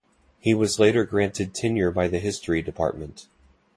He was later granted tenure by the History Department.